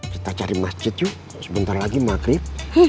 kita cari masjid yuk sebentar lagi maghrib